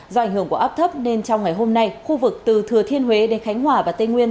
do ảnh hưởng của áp thấp nên trong ngày hôm nay khu vực từ thừa thiên huế đến khánh hòa và tây nguyên